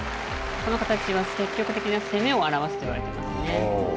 この形は積極的な攻めを表すといわれてますね。